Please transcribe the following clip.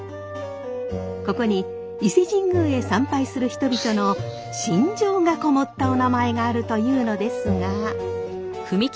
ここに伊勢神宮へ参拝する人々の心情がこもったおなまえがあるというのですが。